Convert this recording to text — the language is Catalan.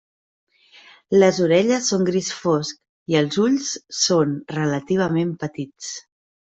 Les orelles són gris fosc i els ulls són relativament petits.